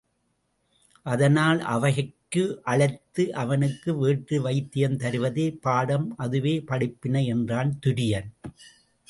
அதனால் அவைக்கு அழைத்து அவனுக்கு வேட்டு வைத்தியம் தருவதே பாடம் அதுவே படிப்பினை என்றான் துரியன்.